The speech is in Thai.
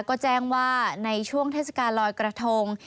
ก็แจ้งว่าในช่วงเทศกาลลอยกระทง